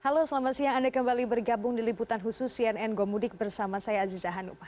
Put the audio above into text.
halo selamat siang anda kembali bergabung di liputan khusus cnn gomudik bersama saya aziza hanum